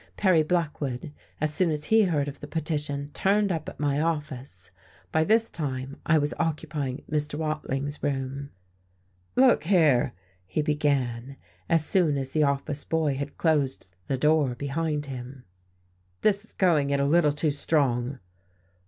Perry Blackwood, as soon as he heard of the petition, turned up at my office. By this time I was occupying Mr. Watling's room. "Look here," he began, as soon as the office boy had closed the door behind him, "this is going it a little too strong."